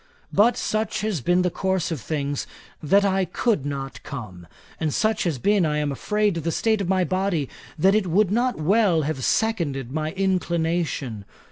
But such has been the course of things, that I could not come; and such has been, I am afraid, the state of my body, that it would not well have seconded my inclination.